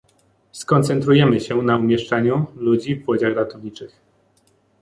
skoncentrujemy się na umieszczaniu ludzi w łodziach ratowniczych